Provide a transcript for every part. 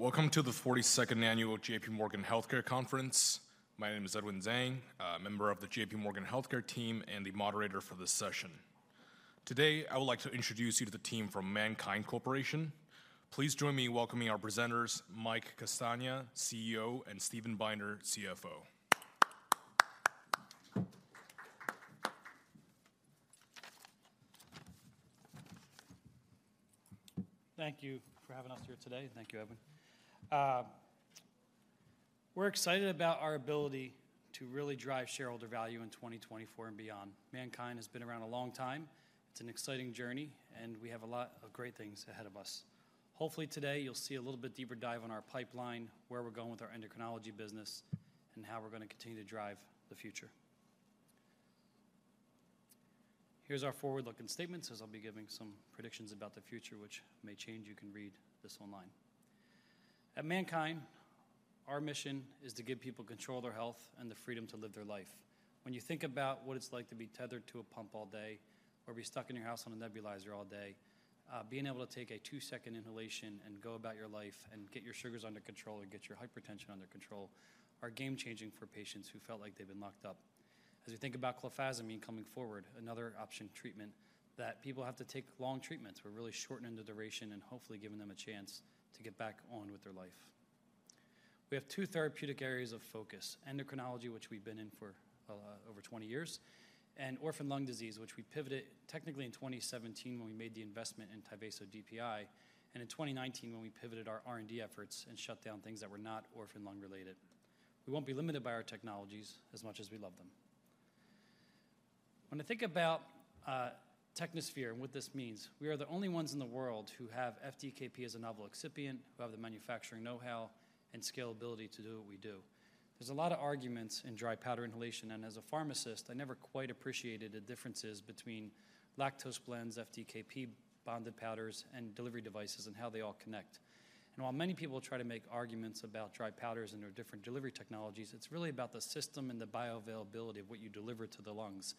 8, welcome to the 42nd annual J.P. Morgan Healthcare Conference. My name is Edwin Zhang, a member of the J.P. Morgan Healthcare team and the moderator for this session. Today, I would like to introduce you to the team from MannKind Corporation. Please join me in welcoming our presenters, Mike Castagna, CEO, and Steven Binder, CFO. Thank you for having us here today, and thank you, Edwin. We're excited about our ability to really drive shareholder value in 2024 and beyond. MannKind has been around a long time. It's an exciting journey, and we have a lot of great things ahead of us. Hopefully today you'll see a little bit deeper dive on our pipeline, where we're going with our endocrinology business, and how we're going to continue to drive the future. Here's our forward-looking statements, as I'll be giving some predictions about the future, which may change. You can read this online. At MannKind, our mission is to give people control of their health and the freedom to live their life. When you think about what it's like to be tethered to a pump all day or be stuck in your house on a nebulizer all day, being able to take a 2-second inhalation and go about your life and get your sugars under control and get your hypertension under control, are game-changing for patients who felt like they've been locked up. As we think about clofazimine coming forward, another option treatment that people have to take long treatments, we're really shortening the duration and hopefully giving them a chance to get back on with their life. We have two therapeutic areas of focus: endocrinology, which we've been in for, over 20 years, and orphan lung disease, which we pivoted technically in 2017 when we made the investment in Tyvaso DPI, and in 2019 when we pivoted our R&D efforts and shut down things that were not orphan lung related. We won't be limited by our technologies as much as we love them. When I think about, Technosphere and what this means, we are the only ones in the world who have FDKP as a novel excipient, who have the manufacturing know-how and scalability to do what we do. There's a lot of arguments in dry powder inhalation, and as a pharmacist, I never quite appreciated the differences between lactose blends, FDKP, bonded powders, and delivery devices, and how they all connect. While many people try to make arguments about dry powders and their different delivery technologies, it's really about the system and the bioavailability of what you deliver to the lungs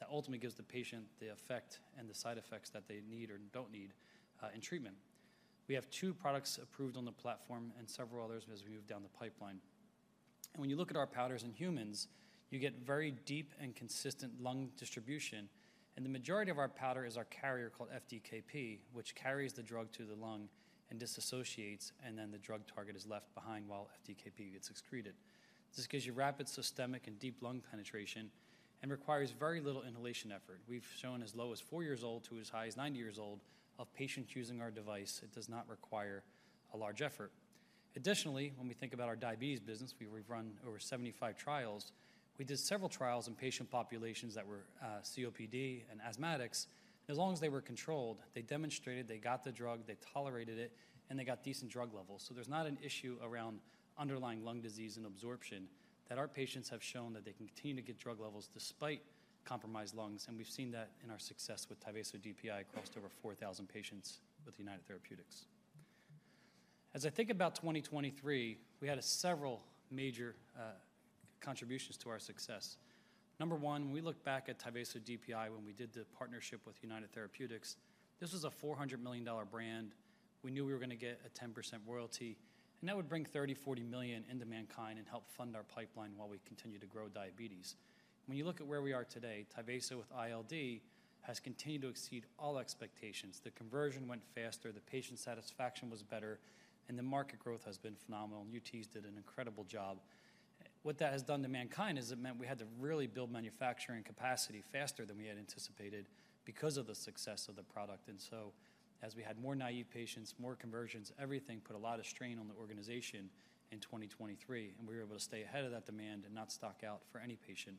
that ultimately gives the patient the effect and the side effects that they need or don't need in treatment. We have two products approved on the platform and several others as we move down the pipeline. When you look at our powders in humans, you get very deep and consistent lung distribution, and the majority of our powder is our carrier, called FDKP, which carries the drug to the lung and disassociates, and then the drug target is left behind while FDKP gets excreted. This gives you rapid systemic and deep lung penetration and requires very little inhalation effort. We've shown as low as 4 years old to as high as 90 years old of patients using our device. It does not require a large effort. Additionally, when we think about our diabetes business, we've run over 75 trials. We did several trials in patient populations that were, COPD and asthmatics. As long as they were controlled, they demonstrated they got the drug, they tolerated it, and they got decent drug levels. So there's not an issue around underlying lung disease and absorption, that our patients have shown that they can continue to get drug levels despite compromised lungs, and we've seen that in our success with Tyvaso DPI across over 4,000 patients with United Therapeutics. As I think about 2023, we had several major, contributions to our success. Number one, we look back at Tyvaso DPI when we did the partnership with United Therapeutics. This was a $400 million brand. We knew we were going to get a 10% royalty, and that would bring $30 to $40 million into MannKind and help fund our pipeline while we continue to grow diabetes. When you look at where we are today, Tyvaso with ILD has continued to exceed all expectations. The conversion went faster, the patient satisfaction was better, and the market growth has been phenomenal. UT did an incredible job. What that has done to MannKind is it meant we had to really build manufacturing capacity faster than we had anticipated because of the success of the product. And so as we had more naive patients, more conversions, everything put a lot of strain on the organization in 2023, and we were able to stay ahead of that demand and not stock out for any patient.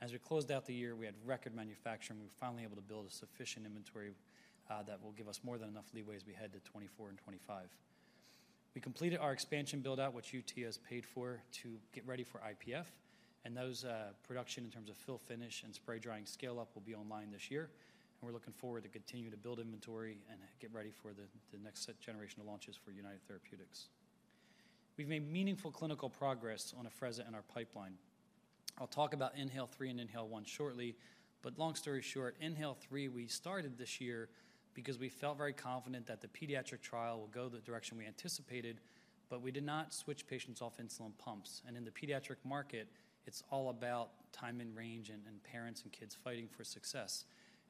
As we closed out the year, we had record manufacturing. We were finally able to build a sufficient inventory, that will give us more than enough leeway as we head to 2024 and 2025. We completed our expansion build-out, which UT has paid for, to get ready for IPF, and those, production in terms of fill finish and spray drying scale-up will be online this year. And we're looking forward to continue to build inventory and get ready for the, the next generation of launches for United Therapeutics. We've made meaningful clinical progress on Afrezza and our pipeline. I'll talk about INHALE-3 and INHALE-1 shortly, but long story short, INHALE-3, we started this year because we felt very confident that the pediatric trial will go the direction we anticipated, but we did not switch patients off insulin pumps. In the pediatric market, it's all about time and range and, and parents and kids fighting for success.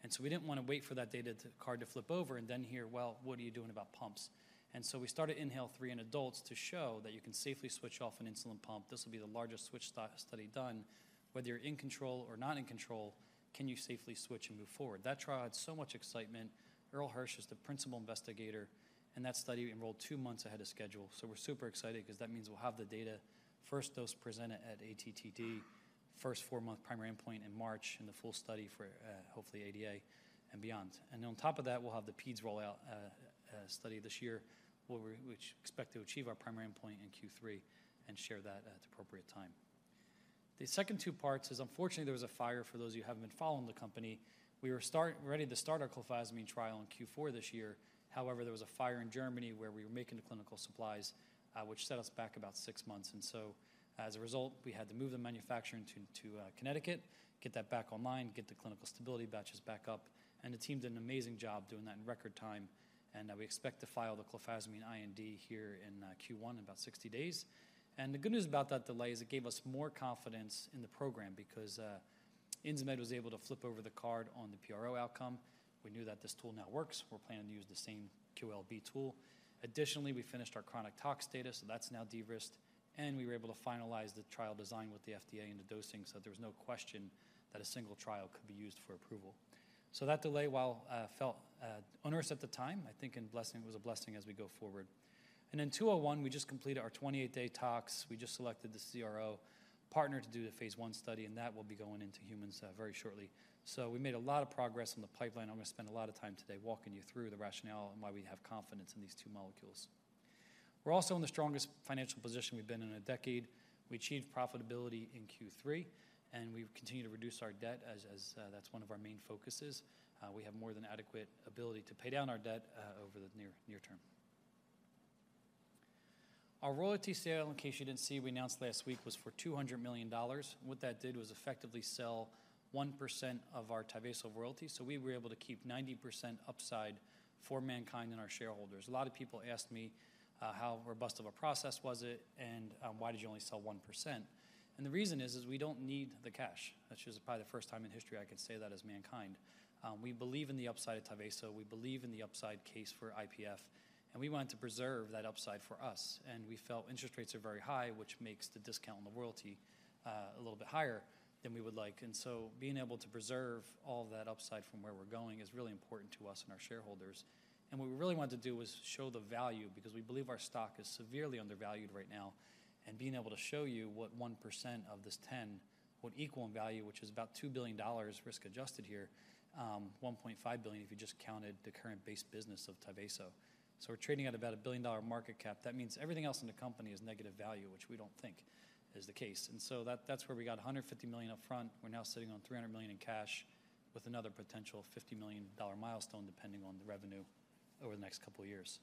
So we didn't want to wait for that data card to flip over and then hear: Well, what are you doing about pumps? So we started INHALE-3 in adults to show that you can safely switch off an insulin pump. This will be the largest switch study done. Whether you're in control or not in control, can you safely switch and move forward? That trial had so much excitement. Irl Hirsch is the principal investigator, and that study enrolled 2 months ahead of schedule. So we're super excited because that means we'll have the data first dose presented at ATTD, first 4-month primary endpoint in March, and the full study for, hopefully ADA and beyond. And on top of that, we'll have the Peds readout study this year, where we which expect to achieve our primary endpoint in Q3 and share that at the appropriate time. The second two parts is, unfortunately, there was a fire. For those of you who haven't been following the company, we were ready to start our clofazimine trial in Q4 this year. However, there was a fire in Germany, where we were making the clinical supplies, which set us back about six months, and so as a result, we had to move the manufacturing to Connecticut, get that back online, get the clinical stability batches back up. And the team did an amazing job doing that in record time, and we expect to file the clofazimine IND here in Q1, in about 60 days. The good news about that delay is it gave us more confidence in the program because Insmed was able to flip over the card on the PRO outcome. We knew that this tool now works. We're planning to use the same QOL-B tool. Additionally, we finished our chronic tox data, so that's now de-risked, and we were able to finalize the trial design with the FDA and the dosing, so there was no question that a single trial could be used for approval. So that delay, while felt onerous at the time, I think in blessing, it was a blessing as we go forward. In 201, we just completed our 28-day tox. We just selected the CRO partner to do the phase 1 study, and that will be going into humans very shortly. So we made a lot of progress in the pipeline. I'm going to spend a lot of time today walking you through the rationale and why we have confidence in these two molecules. We're also in the strongest financial position we've been in a decade. We achieved profitability in Q3, and we've continued to reduce our debt as that's one of our main focuses. We have more than adequate ability to pay down our debt over the near term. Our royalty sale, in case you didn't see, we announced last week, was for $200 million. What that did was effectively sell 1% of our Tyvaso royalty, so we were able to keep 90% upside for MannKind and our shareholders. A lot of people asked me, "How robust of a process was it, and, why did you only sell 1%?" And the reason is we don't need the cash. That's just probably the first time in history I can say that as MannKind. We believe in the upside of Tyvaso, we believe in the upside case for IPF, and we wanted to preserve that upside for us, and we felt interest rates are very high, which makes the discount on the royalty a little bit higher than we would like. And so being able to preserve all that upside from where we're going is really important to us and our shareholders. What we really wanted to do was show the value because we believe our stock is severely undervalued right now, and being able to show you what 1% of this 10 would equal in value, which is about $2 billion risk-adjusted here, $1.5 billion, if you just counted the current base business of Tyvaso. So we're trading at about a billion-dollar market cap. That means everything else in the company is negative value, which we don't think is the case. And so that, that's where we got $150 million upfront. We're now sitting on $300 million in cash with another potential $50 million milestone, depending on the revenue over the next couple of years.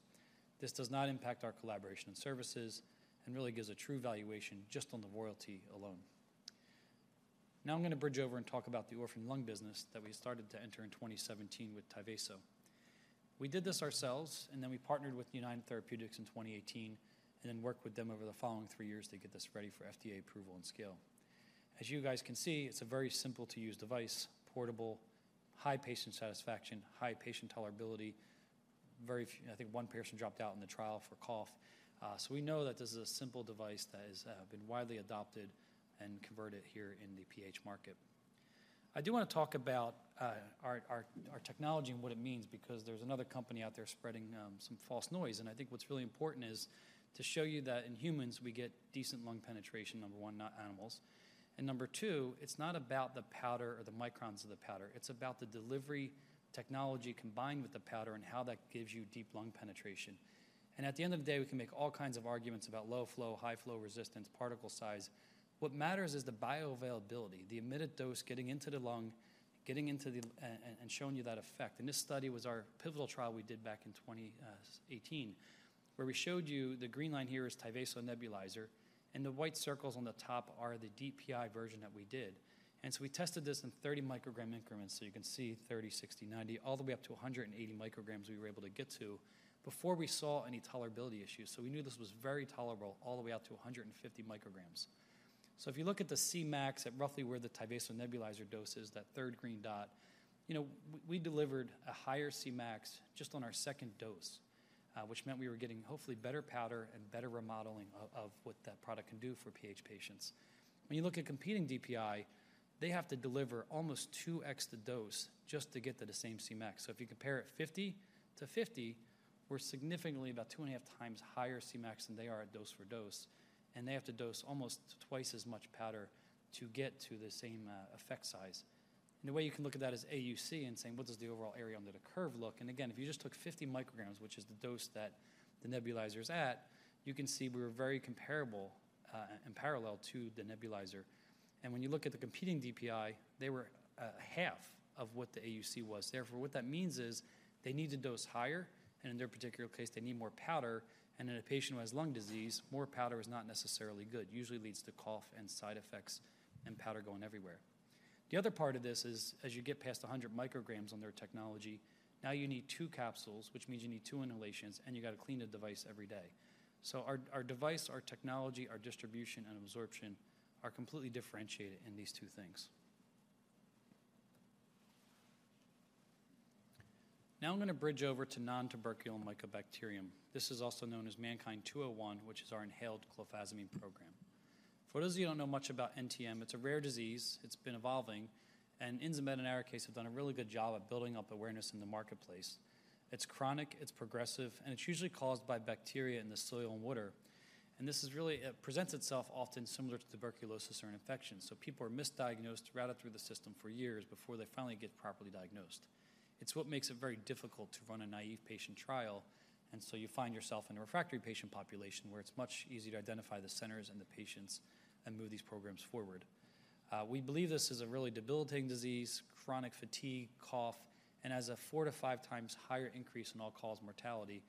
This does not impact our collaboration and services and really gives a true valuation just on the royalty alone. Now, I'm going to bridge over and talk about the orphan lung business that we started to enter in 2017 with Tyvaso. We did this ourselves, and then we partnered with United Therapeutics in 2018 and then worked with them over the following three years to get this ready for FDA approval and scale. As you guys can see, it's a very simple-to-use device, portable, high patient satisfaction, high patient tolerability. Very few. I think one person dropped out in the trial for cough. So we know that this is a simple device that has been widely adopted and converted here in the PH market. I do want to talk about our, our, our technology and what it means, because there's another company out there spreading some false noise. I think what's really important is to show you that in humans, we get decent lung penetration, number one, not animals. And number two, it's not about the powder or the microns of the powder. It's about the delivery technology combined with the powder and how that gives you deep lung penetration. And at the end of the day, we can make all kinds of arguments about low flow, high flow, resistance, particle size. What matters is the bioavailability, the emitted dose, getting into the lung, getting into the and showing you that effect. And this study was our pivotal trial we did back in 2018, where we showed you the green line here is Tyvaso nebulizer, and the white circles on the top are the DPI version that we did. And so we tested this in 30 microgram increments. So you can see 30, 60, 90, all the way up to 180 micrograms we were able to get to before we saw any tolerability issues. So we knew this was very tolerable all the way out to 150 micrograms. So if you look at the C-max at roughly where the Tyvaso nebulizer dose is, that third green dot, you know, we delivered a higher C-max just on our second dose, which meant we were getting hopefully better powder and better remodeling of what that product can do for PH patients. When you look at competing DPI, they have to deliver almost 2x the dose just to get to the same C-max. So if you compare it 50 to 50, we're significantly about 2.5 times higher C-max than they are at dose for dose, and they have to dose almost twice as much powder to get to the same effect size. And the way you can look at that is AUC and saying: What does the overall area under the curve look? And again, if you just took 50 micrograms, which is the dose that the nebulizer is at, you can see we were very comparable and parallel to the nebulizer. And when you look at the competing DPI, they were half of what the AUC was. Therefore, what that means is they need to dose higher, and in their particular case, they need more powder, and in a patient who has lung disease, more powder is not necessarily good. Usually leads to cough and side effects and powder going everywhere. The other part of this is, as you get past 100 micrograms on their technology, now you need 2 capsules, which means you need 2 inhalations, and you got to clean the device every day. So our, our device, our technology, our distribution, and absorption are completely differentiated in these two things. Now I'm going to bridge over to nontuberculous mycobacterium. This is also known as MNKD-101, which is our inhaled clofazimine program. For those of you who don't know much about NTM, it's a rare disease. It's been evolving, and Insmed, in our case, have done a really good job at building up awareness in the marketplace. It's chronic, it's progressive, and it's usually caused by bacteria in the soil and water. This is really presents itself often similar to tuberculosis or an infection. So people are misdiagnosed, routed through the system for years before they finally get properly diagnosed. It's what makes it very difficult to run a naive patient trial, and so you find yourself in a refractory patient population, where it's much easier to identify the centers and the patients and move these programs forward. We believe this is a really debilitating disease, chronic fatigue, cough, and has a 4 to 5 times higher increase in all-cause mortality.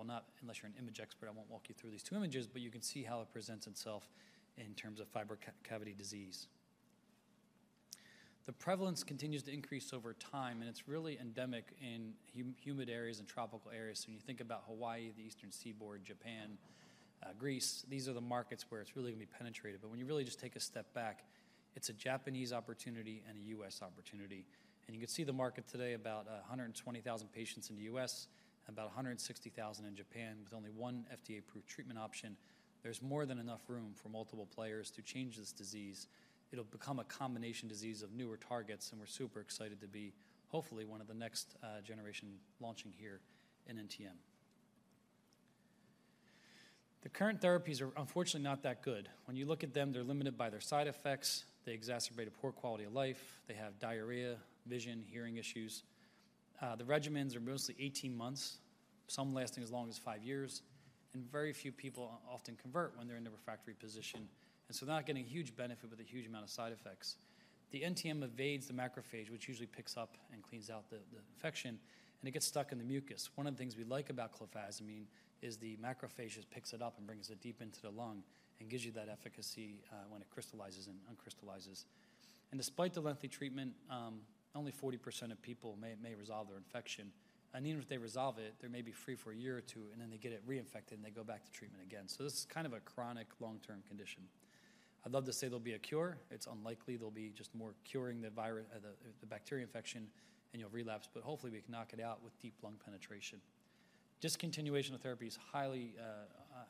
I will not—unless you're an image expert, I won't walk you through these two images, but you can see how it presents itself in terms of fibrocavitary disease... The prevalence continues to increase over time, and it's really endemic in humid areas and tropical areas. So when you think about Hawaii, the Eastern Seaboard, Japan, Greece, these are the markets where it's really going to be penetrated. But when you really just take a step back, it's a Japanese opportunity and a U.S. opportunity. And you can see the market today, about 120,000 patients in the U.S. and about 160,000 in Japan, with only one FDA-approved treatment option. There's more than enough room for multiple players to change this disease. It'll become a combination disease of newer targets, and we're super excited to be, hopefully, one of the next generation launching here in NTM. The current therapies are unfortunately not that good. When you look at them, they're limited by their side effects. They exacerbate a poor quality of life. They have diarrhea, vision, hearing issues. The regimens are mostly 18 months, some lasting as long as 5 years, and very few people often convert when they're in the refractory position. And so they're not getting a huge benefit with a huge amount of side effects. The NTM evades the macrophage, which usually picks up and cleans out the, the infection, and it gets stuck in the mucus. One of the things we like about clofazimine is the macrophage just picks it up and brings it deep into the lung and gives you that efficacy, when it crystallizes and uncrystallizes. And despite the lengthy treatment, only 40% of people may, may resolve their infection. And even if they resolve it, they may be free for a year or two, and then they get it reinfected, and they go back to treatment again. So this is kind of a chronic long-term condition. I'd love to say there'll be a cure. It's unlikely. There'll be just more curing the virus, the bacteria infection, and you'll relapse, but hopefully, we can knock it out with deep lung penetration. Discontinuation of therapy is highly,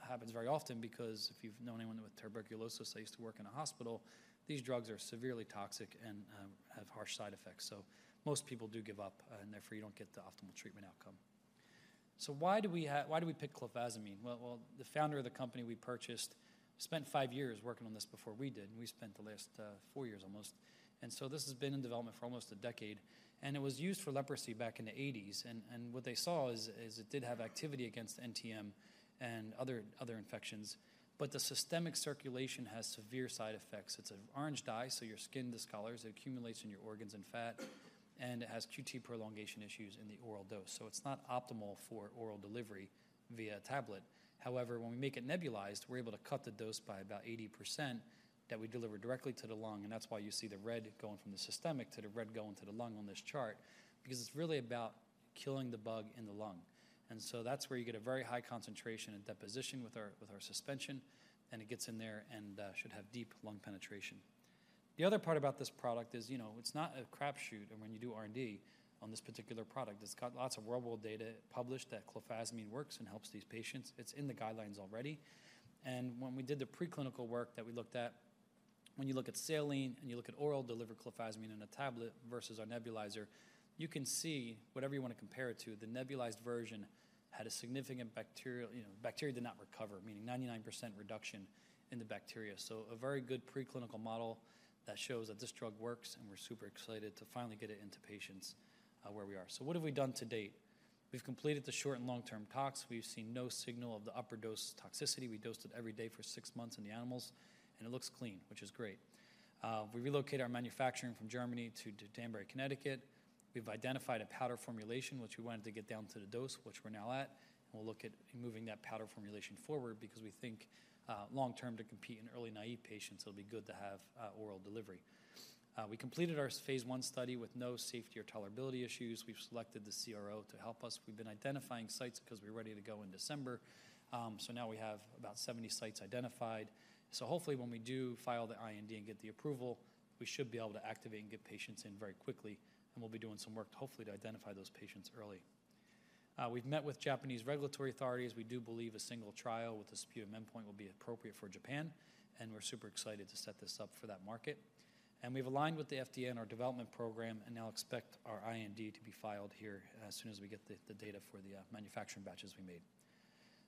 happens very often because if you've known anyone with tuberculosis, I used to work in a hospital, these drugs are severely toxic and, have harsh side effects. So most people do give up, and therefore, you don't get the optimal treatment outcome. Why do we pick clofazimine? Well, well, the founder of the company we purchased spent five years working on this before we did, and we spent the last, four years almost. And so this has been in development for almost a decade, and it was used for leprosy back in the 1980s. What they saw is it did have activity against NTM and other infections, but the systemic circulation has severe side effects. It's an orange dye, so your skin discolors, it accumulates in your organs and fat, and it has QT prolongation issues in the oral dose. So it's not optimal for oral delivery via tablet. However, when we make it nebulized, we're able to cut the dose by about 80% that we deliver directly to the lung, and that's why you see the red going from the systemic to the red going to the lung on this chart, because it's really about killing the bug in the lung. And so that's where you get a very high concentration and deposition with our suspension, and it gets in there and should have deep lung penetration. The other part about this product is, you know, it's not a crapshoot, and when you do R&D on this particular product, it's got lots of real-world data published that clofazimine works and helps these patients. It's in the guidelines already. And when we did the preclinical work that we looked at, when you look at saline and you look at oral-delivered clofazimine in a tablet versus our nebulizer, you can see whatever you want to compare it to. The nebulized version had a significant bacterial... You know, bacteria did not recover, meaning 99% reduction in the bacteria. So a very good preclinical model that shows that this drug works, and we're super excited to finally get it into patients, where we are. So what have we done to date? We've completed the short and long-term tox. We've seen no signal of the upper dose toxicity. We dosed it every day for six months in the animals, and it looks clean, which is great. We relocated our manufacturing from Germany to Danbury, Connecticut. We've identified a powder formulation, which we wanted to get down to the dose, which we're now at, and we'll look at moving that powder formulation forward because we think, long-term, to compete in early naive patients, it'll be good to have, oral delivery. We completed our phase 1 study with no safety or tolerability issues. We've selected the CRO to help us. We've been identifying sites because we're ready to go in December. So now we have about 70 sites identified. So hopefully, when we do file the IND and get the approval, we should be able to activate and get patients in very quickly, and we'll be doing some work to hopefully identify those patients early. We've met with Japanese regulatory authorities. We do believe a single trial with a sputum endpoint will be appropriate for Japan, and we're super excited to set this up for that market. And we've aligned with the FDA on our development program and now expect our IND to be filed here as soon as we get the data for the manufacturing batches we made.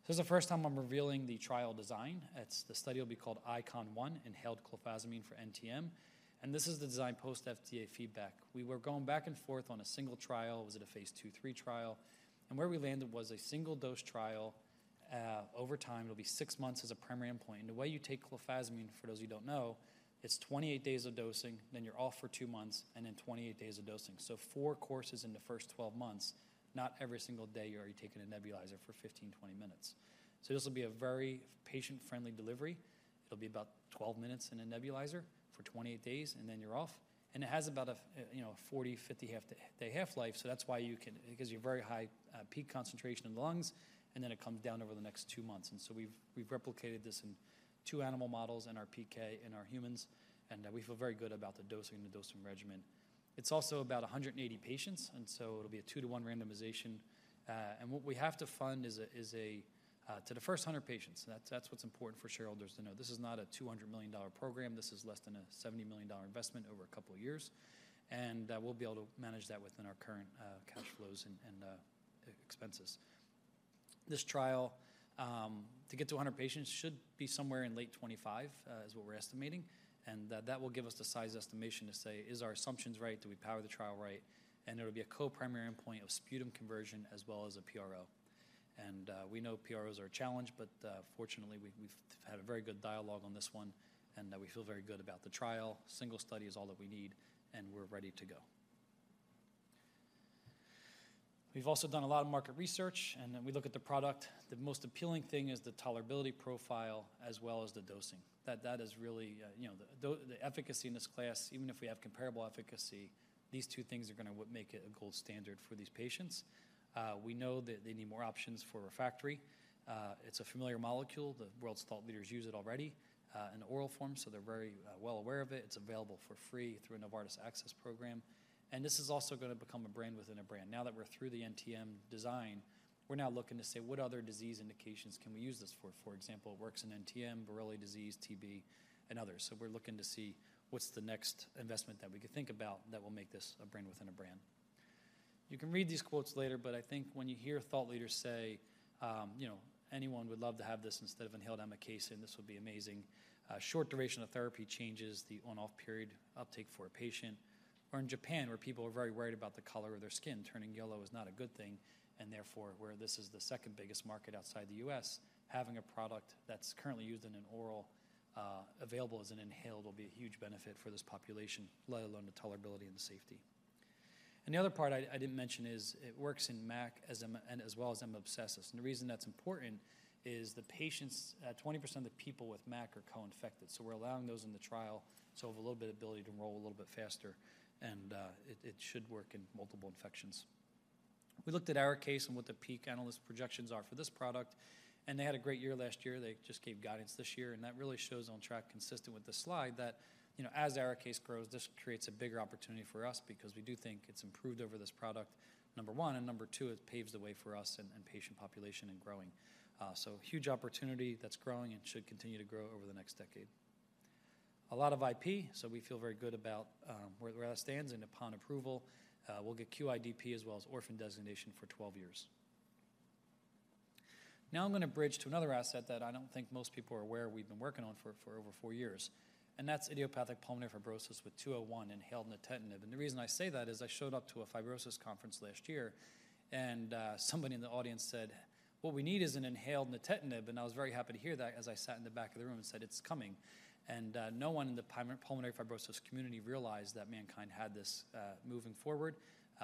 This is the first time I'm revealing the trial design. It's the study will be called ICON-1, Inhaled Clofazimine for NTM, and this is the design post-FDA feedback. We were going back and forth on a single trial. Was it a phase two, three trial? Where we landed was a single-dose trial. Over time, it'll be six months as a primary endpoint. The way you take clofazimine, for those who don't know, it's 28 days of dosing, then you're off for two months, and then 28 days of dosing. So four courses in the first 12 months, not every single day you're taking a nebulizer for 15, 20 minutes. So this will be a very patient-friendly delivery. It'll be about 12 minutes in a nebulizer for 28 days, and then you're off. And it has about a, you know, 40, 50 day half-life, so that's why you can... It gives you a very high peak concentration in the lungs, and then it comes down over the next two months. And so we've replicated this in two animal models, in our PK, in our humans, and we feel very good about the dosing and the dosing regimen. It's also about 180 patients, and so it'll be a 2-to-1 randomization. And what we have to fund is to the first 100 patients. That's what's important for shareholders to know. This is not a $200 million program. This is less than a $70 million investment over a couple of years, and we'll be able to manage that within our current cash flows and expenses. This trial, to get to 100 patients, should be somewhere in late 2025, is what we're estimating, and that will give us the size estimation to say, "Is our assumptions right? “Do we power the trial right?” There will be a co-primary endpoint of sputum conversion as well as a PRO. And we know PROs are a challenge, but fortunately, we've had a very good dialogue on this one, and we feel very good about the trial. Single study is all that we need, and we're ready to go.... We've also done a lot of market research, and then we look at the product. The most appealing thing is the tolerability profile as well as the dosing. That, that is really, you know, the efficacy in this class, even if we have comparable efficacy, these two things are gonna what make it a gold standard for these patients. We know that they need more options for refractory. It's a familiar molecule. The world's thought leaders use it already, in oral form, so they're very well aware of it. It's available for free through a Novartis access program, and this is also gonna become a brand within a brand. Now that we're through the NTM design, we're now looking to say: What other disease indications can we use this for? For example, it works in NTM, Buruli disease, TB, and others. So we're looking to see what's the next investment that we can think about that will make this a brand within a brand. You can read these quotes later, but I think when you hear thought leaders say, "Anyone would love to have this instead of inhaled amikacin, this would be amazing." Short duration of therapy changes the on/off period uptake for a patient, or in Japan, where people are very worried about the color of their skin, turning yellow is not a good thing, and therefore, where this is the second biggest market outside the U.S., having a product that's currently used in an oral, available as an inhaled will be a huge benefit for this population, let alone the tolerability and the safety. And the other part I didn't mention is, it works in MAC as well as M. abscessus. And the reason that's important is the patients, 20% of the people with MAC are co-infected. So we're allowing those in the trial, so have a little bit of ability to enroll a little bit faster, and it, it should work in multiple infections. We looked at ARIKAYCE and what the peak analyst projections are for this product, and they had a great year last year. They just gave guidance this year, and that really shows on track consistent with the slide that, you know, as ARIKAYCE grows, this creates a bigger opportunity for us because we do think it's improved over this product, number one, and number two, it paves the way for us and patient population and growing. So huge opportunity that's growing and should continue to grow over the next decade. A lot of IP, so we feel very good about where the rest stands, and upon approval, we'll get QIDP as well as orphan designation for 12 years. Now I'm gonna bridge to another asset that I don't think most people are aware we've been working on for over four years, and that's idiopathic pulmonary fibrosis with 201 inhaled Nintedanib. The reason I say that is I showed up to a fibrosis conference last year, and somebody in the audience said: "What we need is an inhaled Nintedanib," and I was very happy to hear that as I sat in the back of the room and said, "It's coming." No one in the pulmonary fibrosis community realized that MannKind had this moving forward.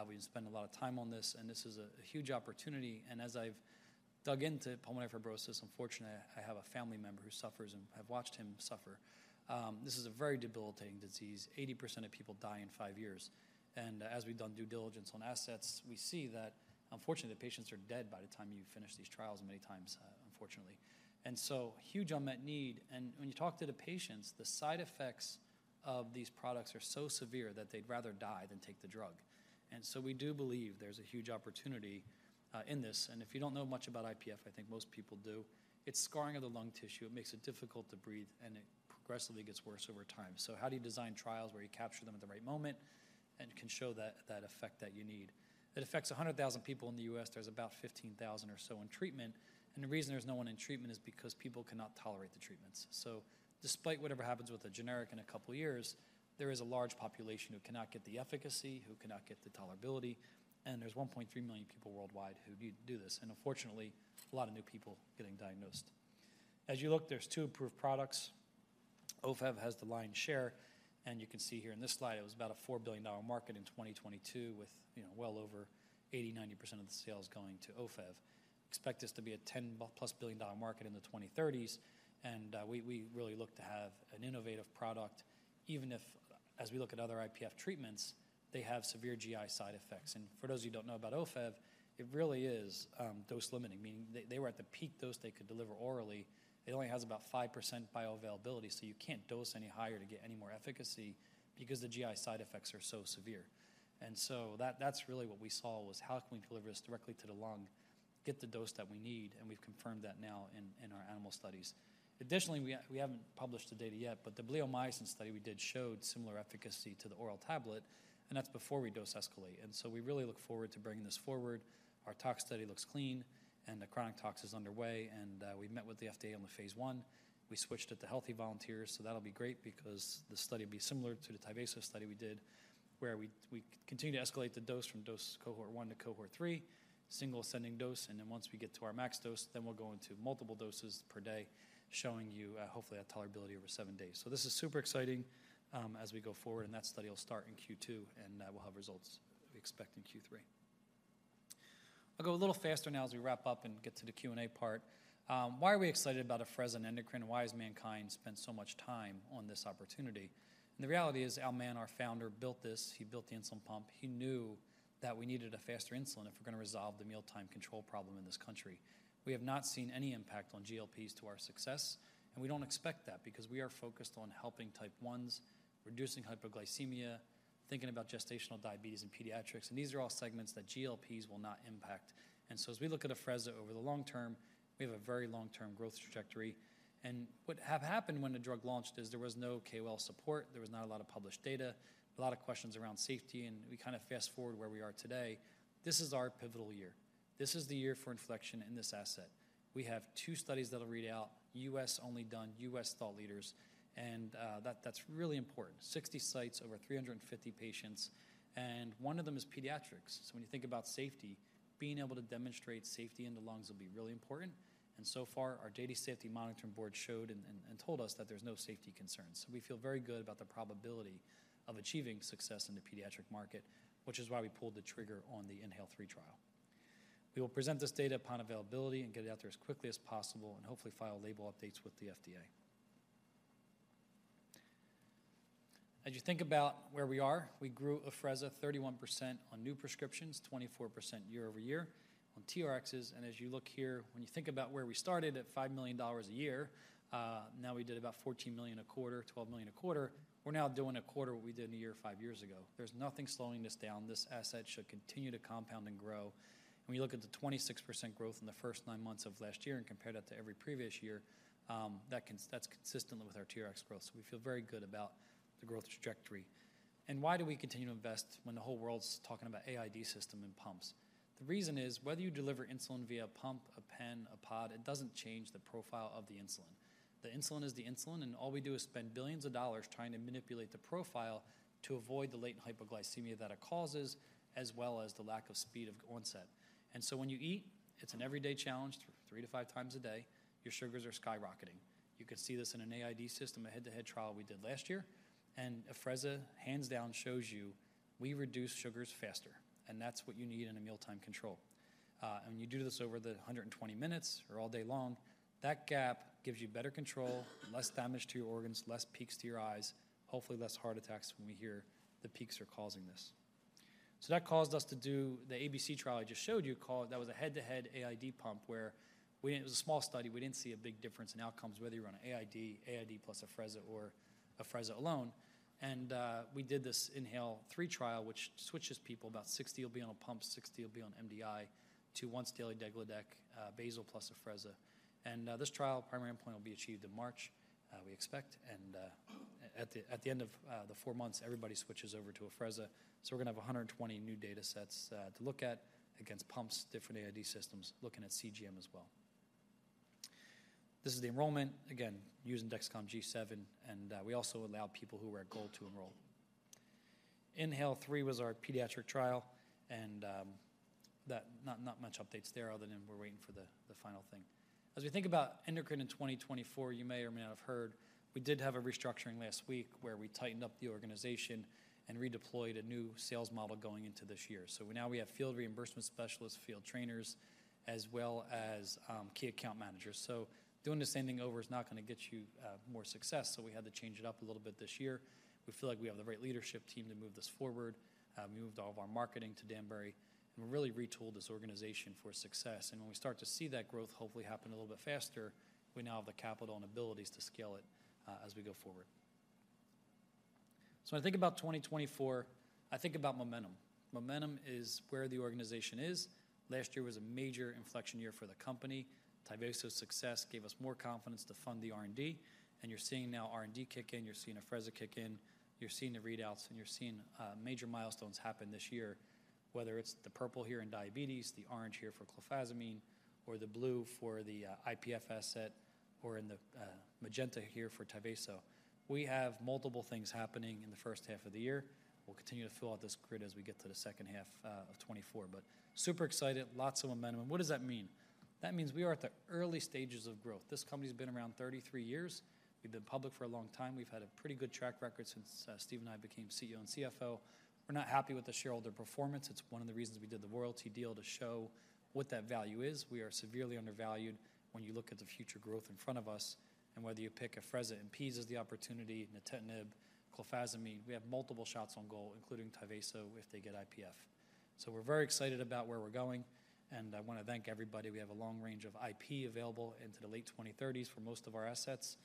We've spent a lot of time on this, and this is a huge opportunity, and as I've dug into pulmonary fibrosis, unfortunately, I have a family member who suffers, and I've watched him suffer. This is a very debilitating disease. 80% of people die in five years, and, as we've done due diligence on assets, we see that unfortunately, the patients are dead by the time you finish these trials many times, unfortunately. And so huge unmet need, and when you talk to the patients, the side effects of these products are so severe that they'd rather die than take the drug. And so we do believe there's a huge opportunity in this, and if you don't know much about IPF, I think most people do, it's scarring of the lung tissue. It makes it difficult to breathe, and it progressively gets worse over time. So how do you design trials where you capture them at the right moment and can show that, that effect that you need? It affects 100,000 people in the U.S. There's about 15,000 or so in treatment, and the reason there's no one in treatment is because people cannot tolerate the treatments. So despite whatever happens with the generic in a couple of years, there is a large population who cannot get the efficacy, who cannot get the tolerability, and there's 1.3 million people worldwide who need to do this, and unfortunately, a lot of new people getting diagnosed. As you look, there's two approved products. Ofev has the lion's share, and you can see here in this slide, it was about a $4 billion market in 2022 with, you know, well over 80% to 90% of the sales going to Ofev. Expect this to be a $10+ billion market in the 2030s, and we really look to have an innovative product, even if, as we look at other IPF treatments, they have severe GI side effects. And for those of you who don't know about Ofev, it really is dose limiting, meaning they were at the peak dose they could deliver orally. It only has about 5% bioavailability, so you can't dose any higher to get any more efficacy because the GI side effects are so severe. And so that's really what we saw, was how can we deliver this directly to the lung, get the dose that we need, and we've confirmed that now in our animal studies. Additionally, we haven't published the data yet, but the bleomycin study we did showed similar efficacy to the oral tablet, and that's before we dose escalate. And so we really look forward to bringing this forward. Our tox study looks clean, and the chronic tox is underway, and we met with the FDA on the phase one. We switched it to healthy volunteers, so that'll be great because the study will be similar to the Tyvaso study we did, where we continue to escalate the dose from dose cohort 1 to cohort 3, single ascending dose, and then once we get to our max dose, then we'll go into multiple doses per day, showing you, hopefully, that tolerability over 7 days. So this is super exciting, as we go forward, and that study will start in Q2, and we'll have results we expect in Q3. I'll go a little faster now as we wrap up and get to the Q&A part. Why are we excited about Afrezza and endocrine? Why has MannKind spent so much time on this opportunity? And the reality is, Al Mann, our founder, built this. He built the insulin pump. He knew that we needed a faster insulin if we're gonna resolve the mealtime control problem in this country. We have not seen any impact on GLPs to our success, and we don't expect that because we are focused on helping type ones, reducing hypoglycemia, thinking about gestational diabetes and pediatrics, and these are all segments that GLPs will not impact. And so as we look at Afrezza over the long term, we have a very long-term growth trajectory. And what have happened when the drug launched is there was no KOL support, there was not a lot of published data, a lot of questions around safety, and we kind of fast forward where we are today. This is our pivotal year. This is the year for inflection in this asset. We have two studies that'll read out, U.S. only done, U.S. thought leaders, and that's really important. 60 sites, over 350 patients, and one of them is pediatrics. So when you think about safety, being able to demonstrate safety in the lungs will be really important, and so far, our data safety monitoring board showed and told us that there's no safety concerns. So we feel very good about the probability of achieving success in the pediatric market, which is why we pulled the trigger on the INHALE-3 trial. We will present this data upon availability and get it out there as quickly as possible, and hopefully file label updates with the FDA. As you think about where we are, we grew Afrezza 31% on new prescriptions, 24% year-over-year on TRXs. As you look here, when you think about where we started at $5 million a year, now we did about $14 million a quarter, $12 million a quarter. We're now doing a quarter what we did in a year, 5 years ago. There's nothing slowing this down. This asset should continue to compound and grow. When you look at the 26% growth in the first 9 months of last year and compare that to every previous year, that's consistent with our TRx growth. So we feel very good about the growth trajectory. And why do we continue to invest when the whole world's talking about AID system and pumps? The reason is, whether you deliver insulin via a pump, a pen, a pod, it doesn't change the profile of the insulin. The insulin is the insulin, and all we do is spend $ billions trying to manipulate the profile to avoid the late hypoglycemia that it causes, as well as the lack of speed of onset. So when you eat, it's an everyday challenge, 3 to 5 times a day, your sugars are skyrocketing. You can see this in an AID system, a head-to-head trial we did last year, and Afrezza, hands down, shows you we reduce sugars faster, and that's what you need in a mealtime control. And you do this over the 120 minutes or all day long. That gap gives you better control, less damage to your organs, less peaks to your eyes, hopefully less heart attacks when we hear the peaks are causing this. So that caused us to do the ABC trial I just showed you, called. That was a head-to-head AID pump, where we didn't... It was a small study. We didn't see a big difference in outcomes whether you run an AID, AID plus Afrezza or Afrezza alone. And we did this INHALE-3 trial, which switches people. About 60 will be on a pump, 60 will be on MDI to once daily degludec, basal plus Afrezza. And this trial, primary endpoint, will be achieved in March, we expect. And at the end of the 4 months, everybody switches over to Afrezza. So we're gonna have 120 new data sets to look at against pumps, different AID systems, looking at CGM as well. This is the enrollment, again, using Dexcom G7, and we also allow people who wear a V-Go to enroll. INHALE-3 was our pediatric trial, and that's not much updates there other than we're waiting for the final thing. As we think about Endocrine in 2024, you may or may not have heard, we did have a restructuring last week where we tightened up the organization and redeployed a new sales model going into this year. So now we have field reimbursement specialists, field trainers, as well as key account managers. So doing the same thing over is not gonna get you more success, so we had to change it up a little bit this year. We feel like we have the right leadership team to move this forward. We moved all of our marketing to Danbury, and we really retooled this organization for success. And when we start to see that growth hopefully happen a little bit faster, we now have the capital and abilities to scale it, as we go forward. So when I think about 2024, I think about momentum. Momentum is where the organization is. Last year was a major inflection year for the company. Tyvaso success gave us more confidence to fund the R&D, and you're seeing now R&D kick in, you're seeing Afrezza kick in, you're seeing the readouts, and you're seeing major milestones happen this year. Whether it's the purple here in diabetes, the orange here for clofazimine, or the blue for the IPF asset, or in the magenta here for Tyvaso. We have multiple things happening in the first half of the year. We'll continue to fill out this grid as we get to the second half of 2024. But super excited, lots of momentum. What does that mean? That means we are at the early stages of growth. This company's been around 33 years. We've been public for a long time. We've had a pretty good track record since Steve and I became CEO and CFO. We're not happy with the shareholder performance. It's one of the reasons we did the royalty deal to show what that value is. We are severely undervalued when you look at the future growth in front of us, and whether you pick Afrezza and Peds as the opportunity, nintedanib, clofazimine, we have multiple shots on goal, including Tyvaso, if they get IPF. So we're very excited about where we're going, and I wanna thank everybody. We have a long range of IP available into the late 2030s for most of our assets,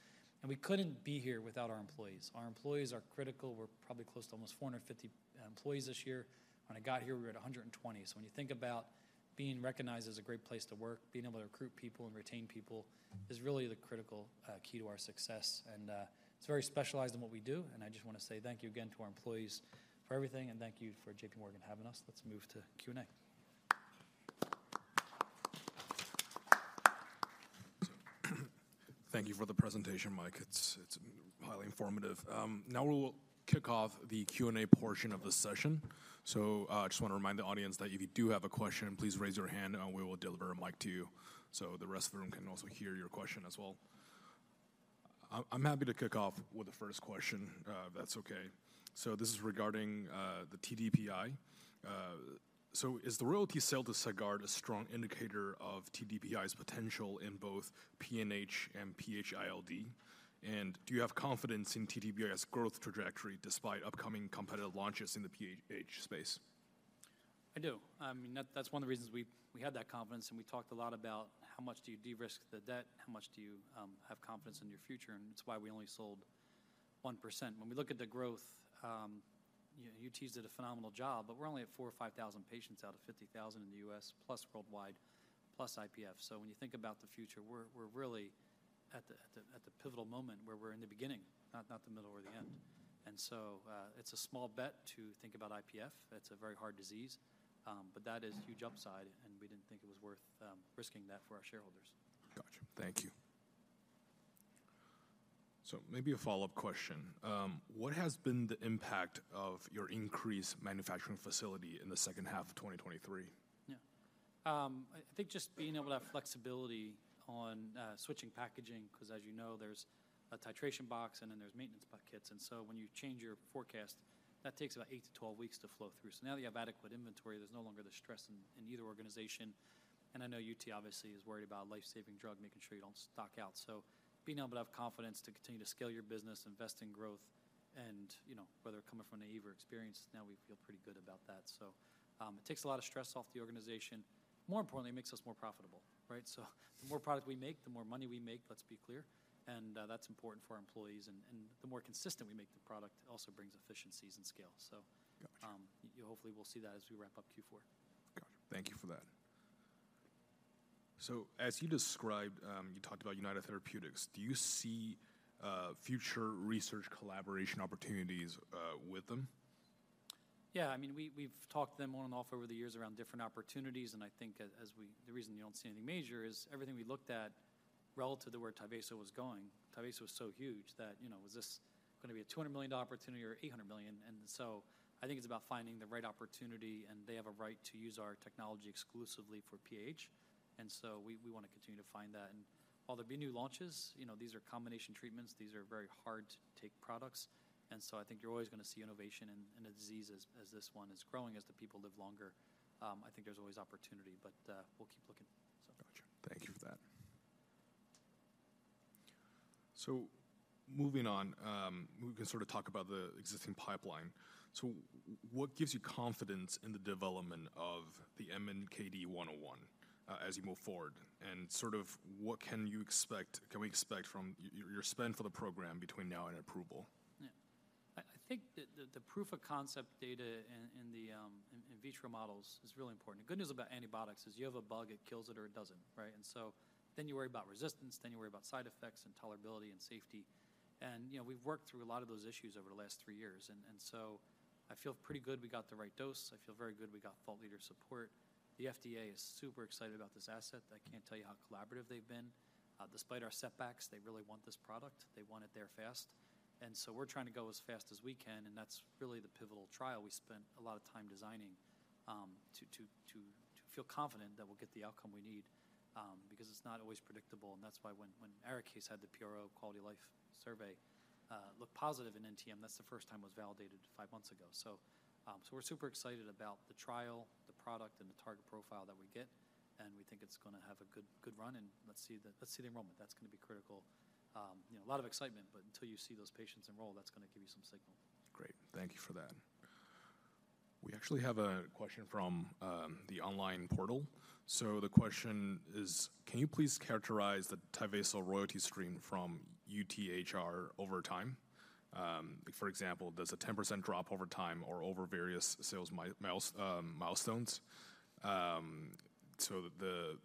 and we couldn't be here without our employees. Our employees are critical. We're probably close to almost 450 employees this year. When I got here, we were at 120. So when you think about being recognized as a great place to work, being able to recruit people and retain people is really the critical key to our success. And, it's very specialized in what we do, and I just wanna say thank you again to our employees for everything, and thank you for J.P. Morgan having us. Let's move to Q&A. Thank you for the presentation, Mike. It's, it's highly informative. Now we'll kick off the Q&A portion of this session. I just want to remind the audience that if you do have a question, please raise your hand, and we will deliver a mic to you, so the rest of the room can also hear your question as well. I'm happy to kick off with the first question, if that's okay. This is regarding the Tyvaso DPI. Is the royalty sale to Sagard a strong indicator of Tyvaso DPI's potential in both PAH and PH-ILD? And do you have confidence in Tyvaso DPI's growth trajectory despite upcoming competitive launches in the PH space? I do. I mean, that, that's one of the reasons we, we had that confidence, and we talked a lot about how much do you de-risk the debt? How much do you have confidence in your future? And that's why we only sold 1%. When we look at the growth, you know, UT's did a phenomenal job, but we're only at 4,000 or 5,000 patients out of 50,000 in the U.S., plus worldwide, plus IPF. So when you think about the future, we're, we're really at the, at the, at the pivotal moment where we're in the beginning, not, not the middle or the end. And so, it's a small bet to think about IPF. That's a very hard disease, but that is huge upside, and we didn't think it was worth, risking that for our shareholders. Gotcha. Thank you.... So maybe a follow-up question. What has been the impact of your increased manufacturing facility in the second half of 2023? Yeah. I think just being able to have flexibility on switching packaging, 'cause as you know, there's a titration box and then there's maintenance buckets. So when you change your forecast, that takes about 8 to 12 weeks to flow through. Now that you have adequate inventory, there's no longer the stress in either organization. I know UT obviously is worried about life-saving drug, making sure you don't stock out. Being able to have confidence to continue to scale your business, invest in growth, and, you know, whether coming from naive or experienced, now we feel pretty good about that. It takes a lot of stress off the organization. More importantly, it makes us more profitable, right? So the more product we make, the more money we make, let's be clear, and that's important for our employees. The more consistent we make the product also brings efficiencies and scale. So- Gotcha. - you hopefully will see that as we wrap up Q4. Gotcha. Thank you for that. So as you described, you talked about United Therapeutics, do you see future research collaboration opportunities with them? Yeah, I mean, we've talked to them on and off over the years around different opportunities, and I think as we, the reason you don't see anything major is everything we looked at relative to where Tyvaso was going. Tyvaso was so huge that, you know, was this gonna be a $200 million opportunity or $800 million? And so I think it's about finding the right opportunity, and they have a right to use our technology exclusively for PH. And so we wanna continue to find that. And while there'll be new launches, you know, these are combination treatments. These are very hard-to-take products, and so I think you're always gonna see innovation in a disease as this one is growing, as the people live longer. I think there's always opportunity, but we'll keep looking, so. Gotcha. Thank you for that. So moving on, we can sort of talk about the existing pipeline. So what gives you confidence in the development of the MNKD-101, as you move forward? And sort of what can you expect—can we expect from your spend for the program between now and approval? Yeah. I think the proof of concept data in the in vitro models is really important. The good news about antibiotics is you have a bug, it kills it or it doesn't, right? And so then you worry about resistance, then you worry about side effects and tolerability and safety. And, you know, we've worked through a lot of those issues over the last three years, and so I feel pretty good we got the right dose. I feel very good we got thought leader support. The FDA is super excited about this asset. I can't tell you how collaborative they've been. Despite our setbacks, they really want this product. They want it there fast, and so we're trying to go as fast as we can, and that's really the pivotal trial we spent a lot of time designing, to feel confident that we'll get the outcome we need, because it's not always predictable, and that's why when ARIKAYCE had the PRO quality of life survey look positive in NTM, that's the first time it was validated five months ago. So, so we're super excited about the trial, the product, and the target profile that we get, and we think it's gonna have a good, good run, and let's see the-- let's see the enrollment. That's gonna be critical. You know, a lot of excitement, but until you see those patients enroll, that's gonna give you some signal. Great, thank you for that. We actually have a question from the online portal. So the question is: Can you please characterize the Tyvaso royalty stream from UTHR over time? For example, does a 10% drop over time or over various sales milestones? So the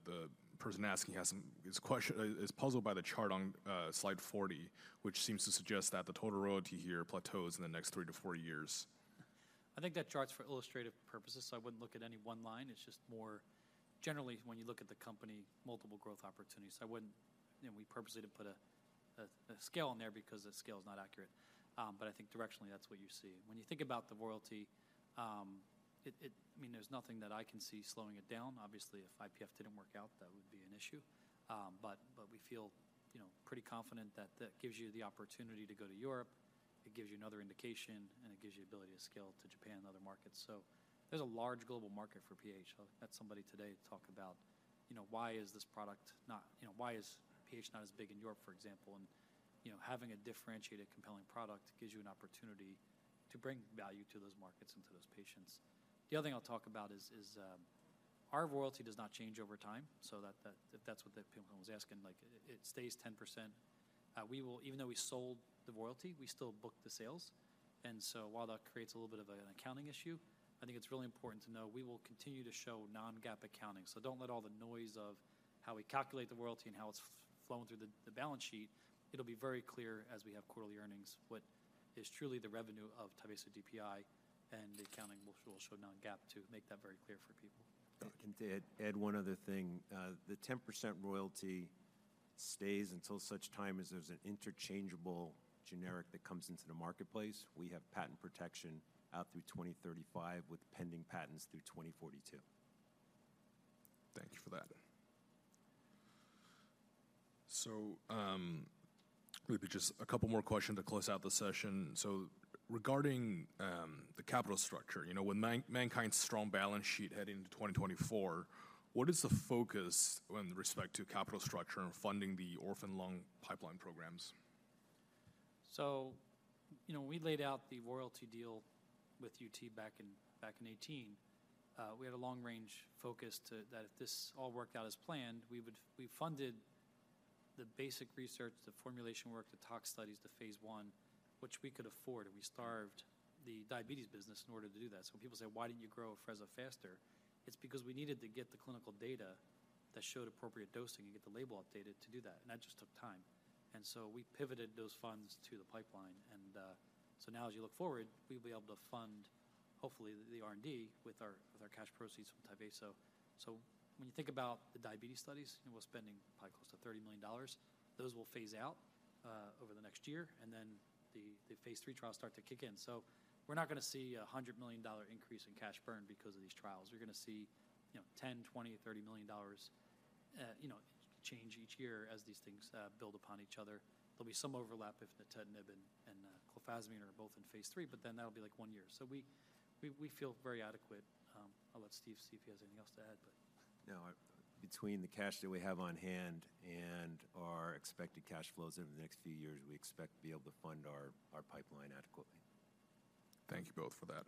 person asking has some... his question is puzzled by the chart on slide 40, which seems to suggest that the total royalty here plateaus in the next 3 to 4 years. I think that chart's for illustrative purposes, so I wouldn't look at any one line. It's just more generally, when you look at the company, multiple growth opportunities. I wouldn't... You know, we purposely didn't put a scale in there because the scale is not accurate. But I think directionally, that's what you see. When you think about the royalty, it... I mean, there's nothing that I can see slowing it down. Obviously, if IPF didn't work out, that would be an issue. But, but we feel, you know, pretty confident that that gives you the opportunity to go to Europe, it gives you another indication, and it gives you the ability to scale to Japan and other markets. So there's a large global market for PH. I had somebody today talk about, you know, why is this product not-- you know, why is PH not as big in Europe, for example? And, you know, having a differentiated, compelling product gives you an opportunity to bring value to those markets and to those patients. The other thing I'll talk about is our royalty does not change over time, so that, that, if that's what that person was asking, like it stays 10%. We will-- even though we sold the royalty, we still book the sales. And so while that creates a little bit of a, an accounting issue, I think it's really important to know we will continue to show non-GAAP accounting. So don't let all the noise of how we calculate the royalty and how it's flowing through the, the balance sheet. It'll be very clear as we have quarterly earnings what is truly the revenue of Tyvaso DPI, and the accounting will show non-GAAP to make that very clear for people. I can add one other thing. The 10% royalty stays until such time as there's an interchangeable generic that comes into the marketplace. We have patent protection out through 2035, with pending patents through 2042. Thank you for that. So, maybe just a couple more questions to close out the session. So regarding the capital structure, you know, with MannKind's strong balance sheet heading into 2024, what is the focus with respect to capital structure and funding the orphan lung pipeline programs? So, you know, when we laid out the royalty deal with UT back in, back in 2018, we had a long-range focus to-- that if this all worked out as planned, we would-- we funded the basic research, the formulation work, the tox studies, the Phase I, which we could afford, and we starved the diabetes business in order to do that. So when people say: "Why didn't you grow Afrezza faster?" It's because we needed to get the clinical data that showed appropriate dosing and get the label updated to do that, and that just took time. And so we pivoted those funds to the pipeline, and, so now as you look forward, we'll be able to fund-... hopefully the, the R&D with our, with our cash proceeds from Tyvaso. So when you think about the diabetes studies, and we're spending probably close to $30 million, those will phase out over the next year, and then the Phase III trials start to kick in. So we're not gonna see a $100 million increase in cash burn because of these trials. We're gonna see, you know, $10 million, $20 million, $30 million, you know, change each year as these things build upon each other. There'll be some overlap if the nintedanib and clofazimine are both in phase III, but then that'll be like one year. So we feel very adequate. I'll let Steve see if he has anything else to add, but. No, between the cash that we have on hand and our expected cash flows over the next few years, we expect to be able to fund our, our pipeline adequately. Thank you both for that.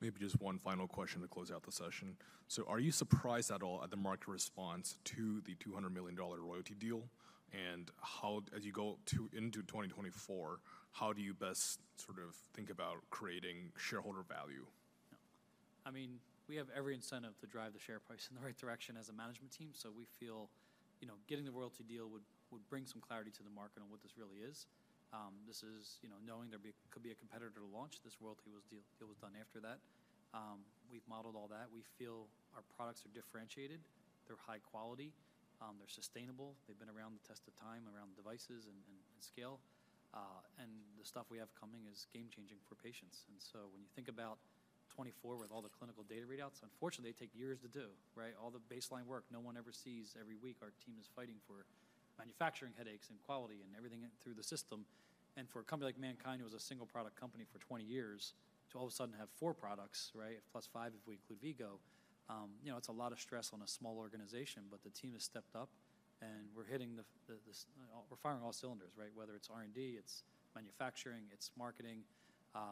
Maybe just one final question to close out the session. So are you surprised at all at the market response to the $200 million royalty deal? And how, as you go to, into 2024, how do you best sort of think about creating shareholder value? I mean, we have every incentive to drive the share price in the right direction as a management team. So we feel, you know, getting the royalty deal would, would bring some clarity to the market on what this really is. This is, you know, knowing there could be a competitor to launch. This royalty deal, it was done after that. We've modeled all that. We feel our products are differentiated, they're high quality, they're sustainable. They've been around the test of time, around devices and scale, and the stuff we have coming is game-changing for patients. And so when you think about 2024 with all the clinical data readouts, unfortunately, they take years to do, right? All the baseline work no one ever sees. Every week, our team is fighting for manufacturing headaches and quality and everything through the system. For a company like MannKind, it was a single-product company for 20 years, to all of a sudden have 4 products, right? Plus 5, if we include V-Go. You know, it's a lot of stress on a small organization, but the team has stepped up, and we're firing all cylinders, right? Whether it's R&D, it's manufacturing, it's marketing,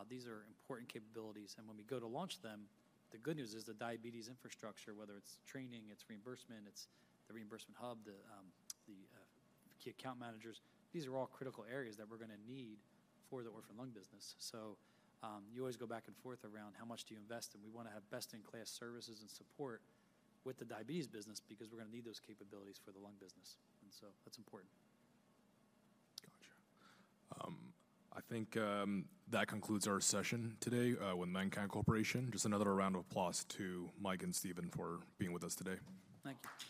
these are important capabilities, and when we go to launch them, the good news is the diabetes infrastructure, whether it's training, it's reimbursement, it's the reimbursement hub, the key account managers, these are all critical areas that we're gonna need for the orphan lung business. So, you always go back and forth around how much do you invest, and we wanna have best-in-class services and support with the diabetes business because we're gonna need those capabilities for the lung business, and so that's important. Gotcha. I think that concludes our session today with MannKind Corporation. Just another round of applause to Mike and Steven for being with us today. Thank you.